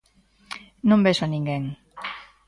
Non vexo a ninguén.